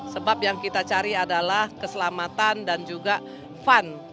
sebab yang kita cari adalah keselamatan dan juga fun